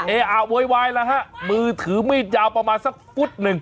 เออะโวยวายแล้วฮะมือถือมีดยาวประมาณสักฟุตหนึ่ง